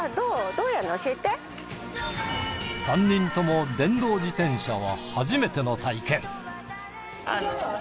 ３人とも電動自転車は初めての体験。